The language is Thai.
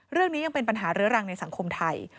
เรื่องนี้ยังเป็นปัญหาเรื้อรังในสังคมไทย